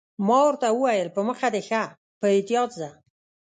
ما ورته وویل: په مخه دې ښه، په احتیاط ځه.